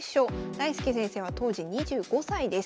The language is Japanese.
大介先生は当時２５歳です。